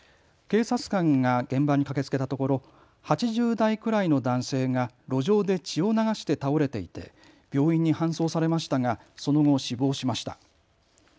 警察官が現場に駆けつけたところ８０代くらいの男性が路上で血を流して倒れていて病院に搬送されましたがその後死亡しました。